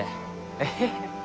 えっ？